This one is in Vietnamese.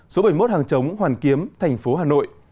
số bảy mươi một hàng chống hoàn kiếm tp hà nội